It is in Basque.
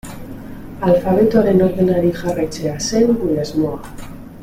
Alfabetoaren ordenari jarraitzea zen gure asmoa.